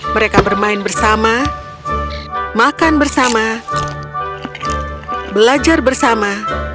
mereka bermain bersama makan bersama belajar bersama